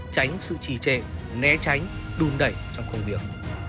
tránh sự trì trệ né tránh đun đẩy trong công việc